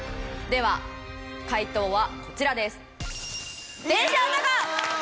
では解答はこちらです。